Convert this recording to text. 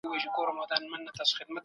علمي نظريې بايد د وخت له ازموينې تېرې سي.